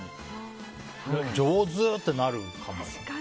上手！ってなるかも。